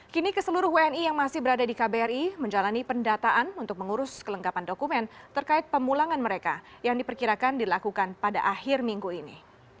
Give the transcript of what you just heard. kini keseluruh wni yang masih berada di kbri menjalani pendataan untuk mengurus kelengkapan dokumen terkait pemulangan mereka yang diperkirakan dilakukan pada akhir minggu ini